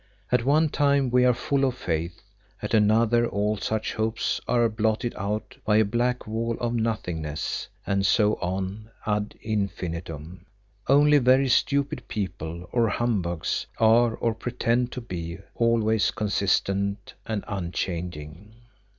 At one time we are full of faith, at another all such hopes are blotted out by a black wall of Nothingness, and so on ad infinitum. Only very stupid people, or humbugs, are or pretend to be, always consistent and unchanging.